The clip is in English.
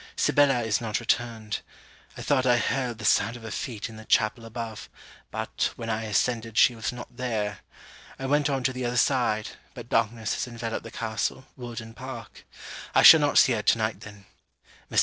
Sibella is not returned. I thought I heard the sound of her feet in the chapel above; but, when I ascended, she was not there. I went on to the other side, but darkness has enveloped the castle, wood, and park. I shall not see her to night then. Mr.